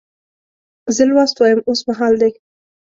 زه لوست وایم اوس مهال دی.